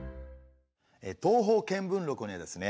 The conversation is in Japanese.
「東方見聞録」にはですね